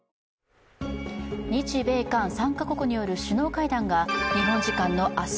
日米韓３か国による首脳会談が日本時間の明日